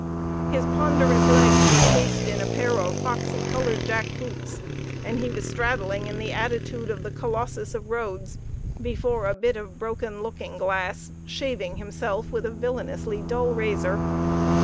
His ponderous legs were cased in a pair of foxy colored jack boots, and he was straddling in the attitude of the Colossus of Rhodes, before a bit of broken looking glass, shaving himself with a villainously dull razor.